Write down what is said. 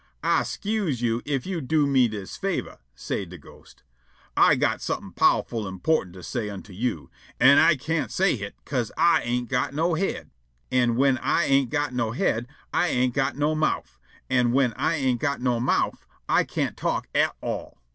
"Ah 'scuse you ef you do me dis favor," say' de ghost. "Ah got somefin' powerful _im_portant to say unto you, an' Ah can't say hit 'ca'se Ah ain't got no head; an' whin Ah ain't got no head, Ah ain't got no mouf, an' whin Ah ain't got no mouf, Ah can't talk at all."